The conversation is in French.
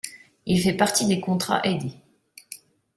Il fait partie des contrats aidés.